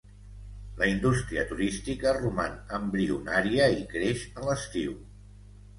La indústria turística roman embrionària i creix a l'estiu.